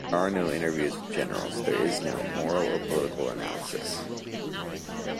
There are no interviews with generals; there is no moral or political analysis.